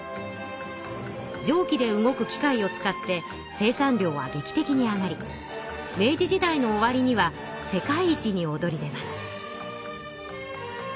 蒸気で動く機械を使って生産量はげき的に上がり明治時代の終わりには世界一におどり出ます。